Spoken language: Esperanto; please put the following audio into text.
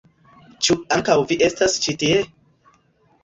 Ĉu ankaŭ vi estas ĉi tie?